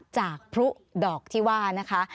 พลุดอกที่ว่านะคะ